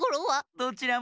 どちらも。